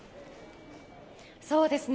そうですね。